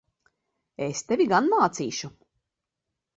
Es tevi gan mācīšu!